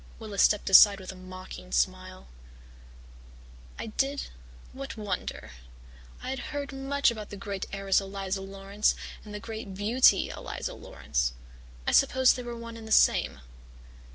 "Willis stepped aside with a mocking smile. "'I did what wonder? I had heard much about the great heiress, Eliza Laurance, and the great beauty, Eliza Laurance. I supposed they were one and the same.